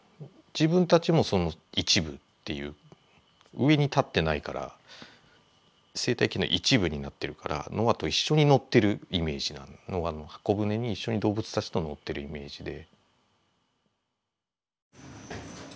上に立ってないから生態系の一部になってるからノアと一緒に乗ってるイメージノアの箱舟に一緒に動物たちと乗ってるイメージで。